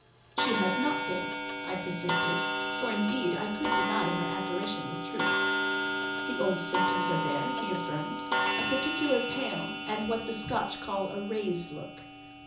"She has not been," I persisted: for, indeed, I could deny her apparition with truth. "The old symptoms are there," he affirmed: "a particular pale, and what the Scotch call a 'raised' look."